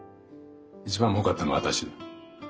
一番もうかったのは私。